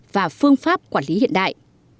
và phương pháp quản lý hiện đại